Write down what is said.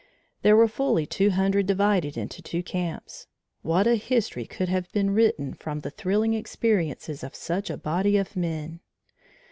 There were fully two hundred divided into two camps. What a history could have been written from the thrilling experiences of such a body of men!